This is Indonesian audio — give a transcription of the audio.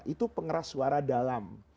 itu pengeras suara dalam